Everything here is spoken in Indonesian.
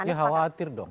ya khawatir dong